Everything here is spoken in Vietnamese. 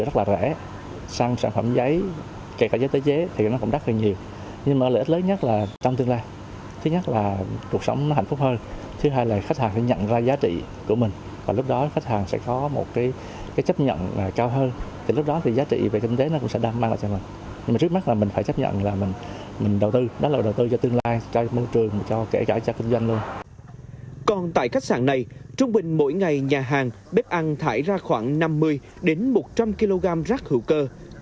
còn tại khách sạn này trung bình mỗi ngày nhà hàng bếp ăn thải ra khoảng năm mươi một trăm linh kg rác hữu cơ